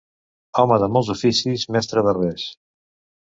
Home de molts oficis, mestre de res.